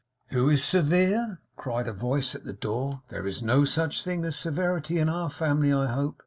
'Who is severe?' cried a voice at the door. 'There is no such thing as severity in our family, I hope!